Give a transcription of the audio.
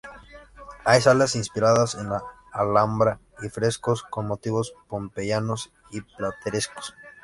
Hay salas inspiradas en la Alhambra, y frescos con motivos pompeyanos y platerescos.